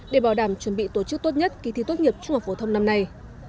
để bảo đảm chuẩn bị tổ chức tốt nhất kỳ thi tốt nghiệp trung học phổ thông năm nay